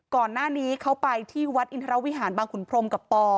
ก่อนหน้านี้เขาไปที่วัดอินทรวิหารบางขุนพรมกับปอ